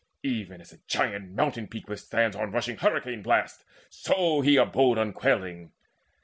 Even as a giant mountain peak withstands On rushing hurricane blasts, so he abode Unquailing.